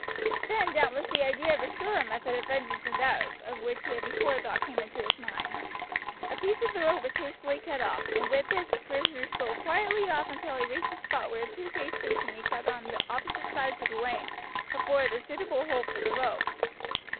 "Then doubtless the idea of a surer method of vengeance than that of which he had before thought came into his mind. A piece of the rope was hastily cut off, and with this the prisoner stole quietly off until he reached the spot where two gates facing each other on opposite sides of the lane afforded a suitable hold for the rope.